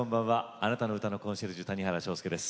あなたの歌のコンシェルジュ谷原章介です。